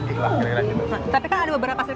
tapi kan ada beberapa aset pekerjaan